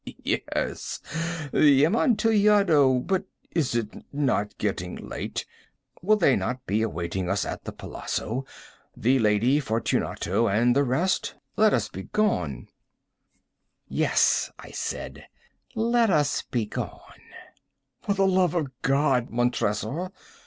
"He! he! he!—he! he! he!—yes, the Amontillado. But is it not getting late? Will not they be awaiting us at the palazzo, the Lady Fortunato and the rest? Let us be gone." "Yes," I said, "let us be gone." "_For the love of God, Montressor!